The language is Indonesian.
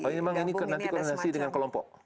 oh ini memang ini nanti koordinasi dengan kelompok